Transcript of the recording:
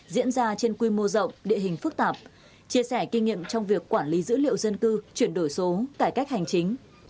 diễn ra trên quy mô rộng địa hình phức tạp chia sẻ kinh nghiệm trong việc quản lý dữ liệu dân cư chuyển đổi số cải cách hành chính